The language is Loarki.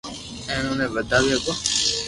ھين او ني ودھاوي ھگو